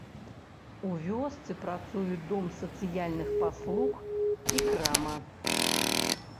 У вёсцы працуюць дом сацыяльных паслуг і крама.